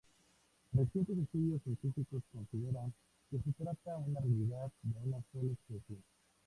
Recientes estudios científicos consideran que se trata en realidad de una sola especie.